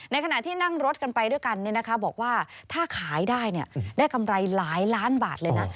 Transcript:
ขณะที่นั่งรถกันไปด้วยกันบอกว่าถ้าขายได้ได้กำไรหลายล้านบาทเลยนะ